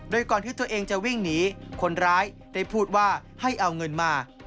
โดยก่อนที่ตัวเองจะวิ่งหนีคนร้ายได้พูดว่าให้เอาเงินมา